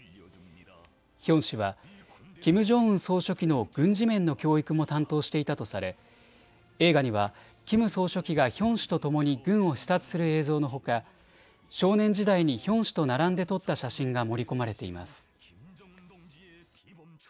ヒョン氏はキム・ジョンウン総書記の軍事面の教育も担当していたとされ映画にはキム総書記がヒョン氏とともに軍を視察する映像のほか少年時代にヒョン氏と並んで撮った写真が盛り込まれています。